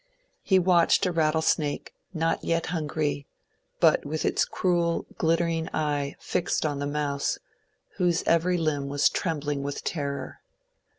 He watched a rattlesnake not yet hungry, but with its cruel glittering eye fixed on the mouse, whose every limb was trembling with terror.